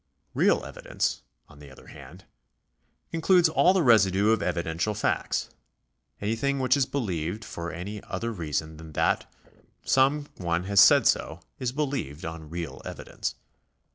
Real evidence, on the other hand, includes all the residue of evidential facts. Anything which is believed for any other reason than that some one has said so, is believed on real evidence.